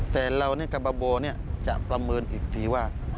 แต่เราในตะบาโบจะประเมินอีกทีว่า